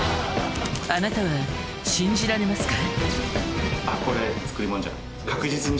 あなたは信じられますか？